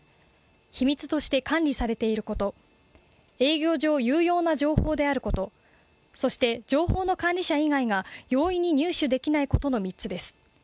秘密として管理されていること、営業上有用な情報であること、そして情報の管理者以外が容易に入手できないことの３つです。